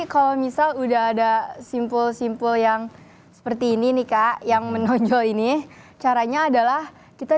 kalau misal udah ada simpul simpul yang seperti ini nih kak yang menonjol ini caranya adalah kita